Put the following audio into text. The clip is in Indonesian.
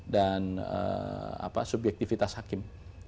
dan subjektifitas hakim